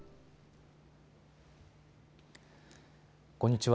こんにちは。